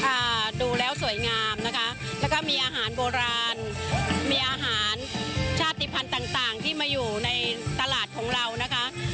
ค่ะดูแล้วสวยงามนะคะแล้วก็มีอาหารโบราณมีอาหารชาติภัณฑ์ต่างต่างที่มาอยู่ในตลาดของเรานะคะ